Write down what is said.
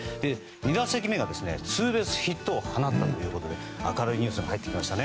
２打席目がツーベースヒットを放ったということで明るいニュースが入ってきました。